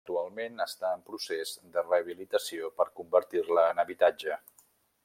Actualment està en procés de rehabilitació per convertir-la en habitatge.